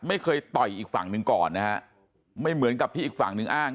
ต่อยอีกฝั่งหนึ่งก่อนนะฮะไม่เหมือนกับที่อีกฝั่งหนึ่งอ้าง